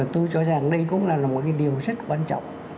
tôi cho rằng đây cũng là một cái điều rất quan trọng